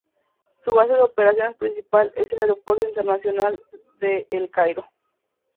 Su base de operaciones principal es el Aeropuerto Internacional de El Cairo.